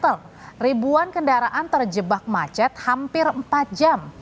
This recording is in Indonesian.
tol ribuan kendaraan terjebak macet hampir empat jam